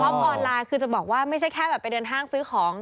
ออนไลน์คือจะบอกว่าไม่ใช่แค่แบบไปเดินห้างซื้อของ